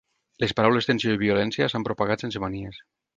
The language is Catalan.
Les paraules ‘tensió’ i ‘violència’ s’han propagat sense manies.